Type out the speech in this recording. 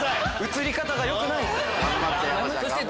映り方がよくない。